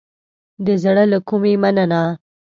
د زړه له کومې مننه